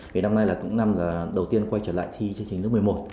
vì năm nay là cũng năm đầu tiên quay trở lại thi chương trình lớp một mươi một